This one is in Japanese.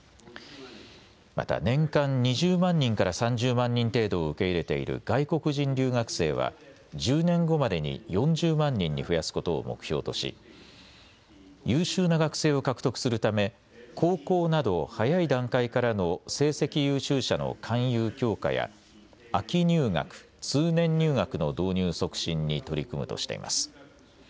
また年間２０万人から３０万人程度を受け入れている外国人留学生は１０年後までに４０万人に増やすことを目標とし優秀な学生を獲得するため高校など早い段階からの成績優秀者の勧誘強化や秋入学、通年入学の導入促進に取り組むとしています。